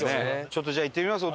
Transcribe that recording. ちょっとじゃあ行ってみます。